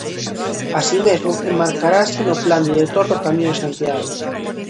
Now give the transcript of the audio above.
Así mesmo, enmárcase no Plan Director do Camiño de Santiago.